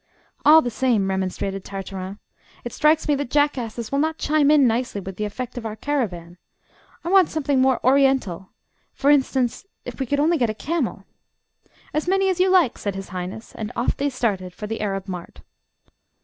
"All the same," remonstrated Tartarin, "it strikes me that jackasses will not chime in nicely with the effect of our caravan. I want something more Oriental. For instance, if we could only get a camel" "As many as you like," said His Highness; and off they started for the Arab mart.